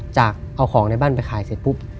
จากเอาของในบ้านไปขายเสร็จปุ๊บ